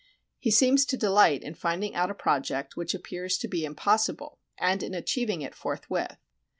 He seems to delight in finding out a project which appears to be impossible, and in achieving it forthwith.